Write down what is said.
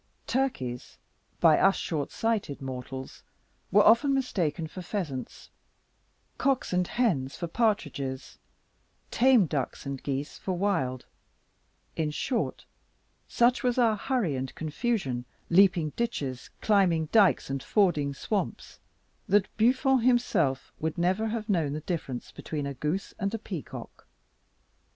Turkeys, by us short sighted mortals, were often mistaken for pheasants; cocks and hens, for partridges; tame ducks and geese for wild; in short, such was our hurry and confusion leaping ditches, climbing dykes, and fording swamps that Buffon himself would never have known the difference between a goose and a peacock.